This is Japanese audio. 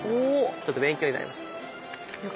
ちょっと勉強になりました。